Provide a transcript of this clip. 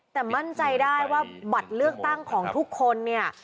แต่มั่นใจได้ว่าบัตรเลือกตั้งของทุกคนเนี่ย